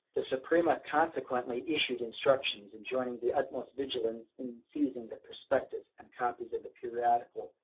The Suprema consequently issued instructions enjoining the utmost vigilance in seizing the prospectus and copies of the periodical.